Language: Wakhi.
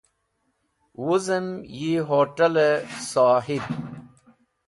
Wuzem yi Hotel e Sohib